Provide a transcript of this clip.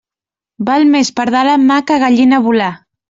Val més pardal en mà que gallina volar.